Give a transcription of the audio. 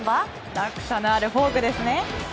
落差のあるフォークですね。